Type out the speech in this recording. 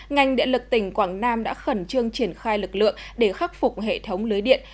ngành điện lực tỉnh quảng nam đã khẩn trương triển khai lực lượng để khắc phục hệ thống lưới điện